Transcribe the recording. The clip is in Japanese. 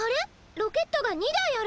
ロケットが２だいある！